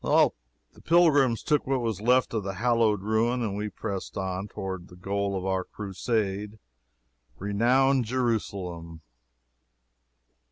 The pilgrims took what was left of the hallowed ruin, and we pressed on toward the goal of our crusade, renowned Jerusalem.